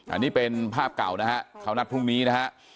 อันนี้เป็นภาพเก่านะฮะเขานัดพรุ่งนี้นะฮะ